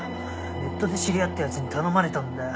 ネットで知り合った奴に頼まれたんだよ。